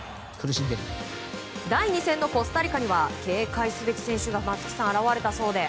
第２戦のコスタリカでは警戒すべき選手が現れたそうで。